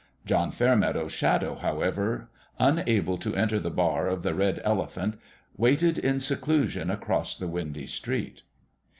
John Fairmeadow's Shadow, however, unable The MAKING of a MAN 99 to enter the bar of the Red Elephant, waited in seclusion across the windy street.